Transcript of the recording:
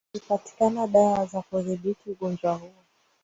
zilipatikana dawa za kudhibiti ugonjwa huo